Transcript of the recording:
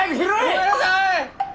ごめんなさい！